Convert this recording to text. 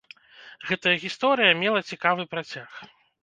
Гэтая гісторыя мела цікавы працяг.